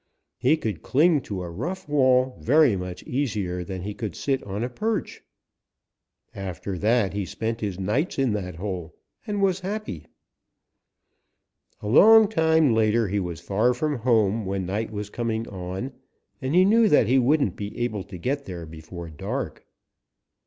He could cling to a rough wall very much easier than he could sit on a perch. After that he spent his nights in that hole and was happy. "A long time later he was far from home when night was coming on, and he knew that he wouldn't be able to get there before dark.